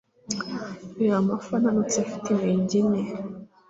Reba amafi ananutse afite intege nke